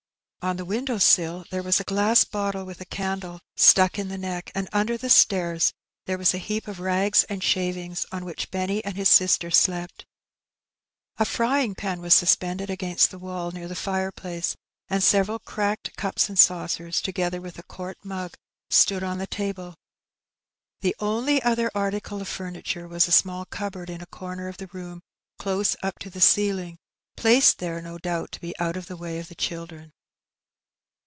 On the window sill there was a glass bottle with a candle stuck in the neck^ and under the stairs there was a heap of rags and shavings, on which Benny and his sister slept. A fiying pan was suspended against the wall near the fireplace, and several cracked cups and saucers, together with a quart mug, stood on the table. The only other article of furniture was a small cupboard in a comer of the room close up to the ceiling, placed there, no doubt, to be out of the way of the children.